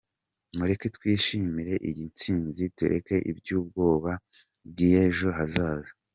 Mureke twishimire iyi ntsinzi tureke iby’ubwoba bw’ejo hazaza.